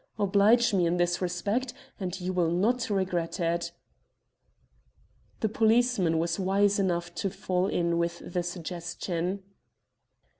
Oblige me in this respect and you will not regret it." The policeman was wise enough to fall in with the suggestion.